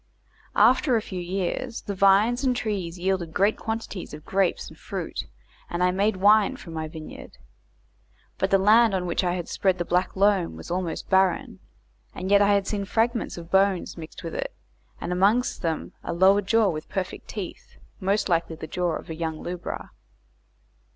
After a few years the vines and trees yielded great quantities of grapes and fruit, and I made wine from my vineyard. But the land on which I had spread the black loam was almost barren, and yet I had seen fragments of bones mixed with it, and amongst them a lower jaw with perfect teeth, most likely the jaw of a young lubra.